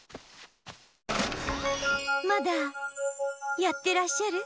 まだやってらっしゃる？